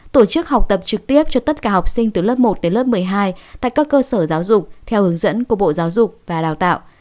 tổ chức học tập trực tiếp cho tất cả học sinh từ lớp một đến lớp một mươi hai tại các cơ sở giáo dục theo hướng dẫn của bộ giáo dục và đào tạo